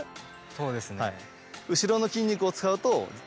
そうですね。